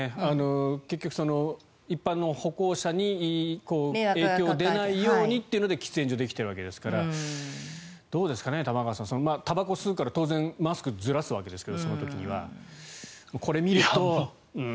結局、一般の歩行者に影響が出ないようにというので喫煙所ができているわけですからどうですかね、玉川さんたばこを吸うから当然、その時にはマスクをずらすわけですからこれを見ると。